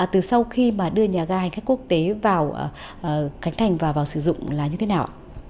từ sau khi mà đưa nhà gai hành khách quốc tế vào cánh thành và vào sử dụng là như thế nào ạ